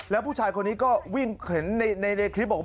แล้วผู้ชายคนนี้ก็วิ่งเห็นในคลิปบอกว่า